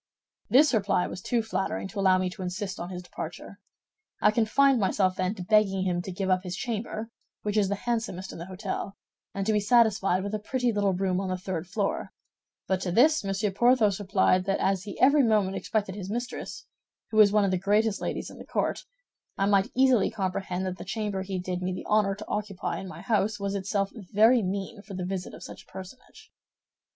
This reply was too flattering to allow me to insist on his departure. I confined myself then to begging him to give up his chamber, which is the handsomest in the hôtel, and to be satisfied with a pretty little room on the third floor; but to this Monsieur Porthos replied that as he every moment expected his mistress, who was one of the greatest ladies in the court, I might easily comprehend that the chamber he did me the honor to occupy in my house was itself very mean for the visit of such a personage.